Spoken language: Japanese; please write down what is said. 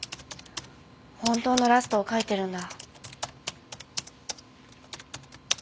本当のラストを書いてるんだ。